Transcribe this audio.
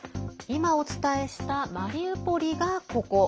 今、お伝えしたマリウポリがここ。